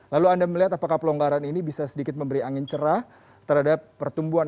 lalu anda melihat apakah pelonggaran ini bisa sedikit memberi angin cerah terhadap pertumbuhan